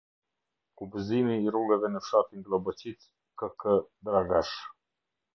Kubezimi i rrugëve në fshatin GlloboqicëK.k. Dragash